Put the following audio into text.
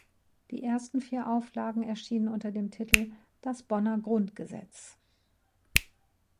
Die ersten vier Auflagen erschienen unter dem Titel "Das Bonner Grundgesetz.